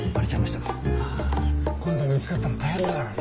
今度見つかったら大変だからね。